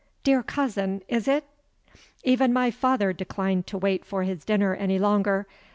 Dear cousin, is it " Even my father declined to wait for his dinner any longer.